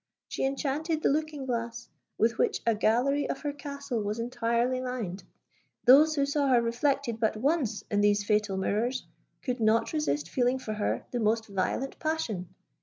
She enchanted the looking glasses, with which a gallery of her castle was entirely lined. Those who saw her reflected but once in these fatal mirrors, could not resist feeling for her the most violent passion.